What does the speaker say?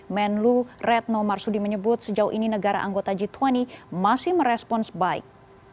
menlu retno marsudi menyebut sejauh ini negara anggota g dua puluh masih merespons baik